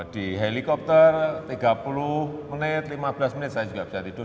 di helikopter tiga puluh menit lima belas menit saya juga bisa tidur